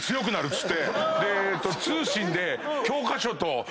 通信で。